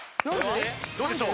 どうでしょう？